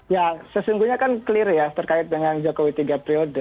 ya sesungguhnya kan clear ya terkait dengan jokowi tiga periode